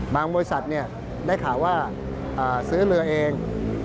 บริษัทได้ข่าวว่าซื้อเรือเอง